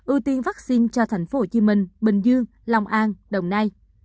ưu tiên vaccine cho tp hcm bình dương long an đồng nai